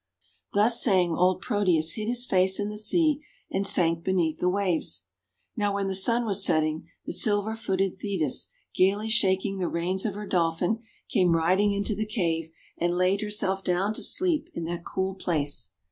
Thus saying, old Proteus hid his face in the sea, and sank beneath the waves. Now when the Sun was setting, the silver footed Thetis, gayly shaking the reins of her Dolphin, came riding into the cave, and laid herself down to sleep in that cool place.